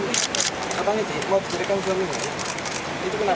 dia mengadopsi dengan membeli seorang bayi